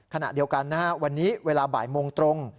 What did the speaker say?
ขณะเดียวกันนะฮะวันนี้เวลาบ่ายโมงตรง